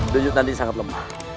dujut tadi sangat lemah